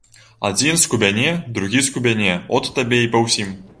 Адзін скубяне, другі скубяне, от табе і па ўсім.